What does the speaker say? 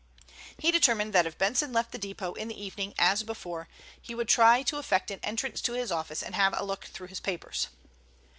He determined that if Benson left the depot in the evening as before, he would try to effect an entrance to his office and have a look through his papers.